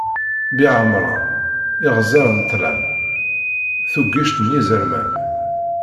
Biɛemṛan, iɣzeṛ n ṭṭlam, tuggict n yiẓerman.